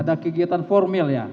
ada kegiatan formil ya